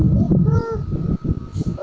nanti nanya mesti golong mesti